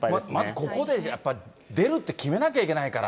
ここで出るって決めなきゃいけないから。